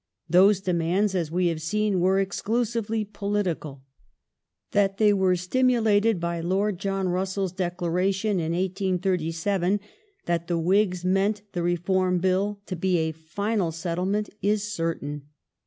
Those demands, as we have seen, were exclusively political. That they were stimulated by Lord John Russell's declai'ation in 1837, that the Whigs meant the Reform Bill to be a final settlement, is certain.